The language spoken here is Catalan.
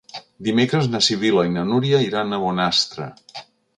Dimecres na Sibil·la i na Núria iran a Bonastre.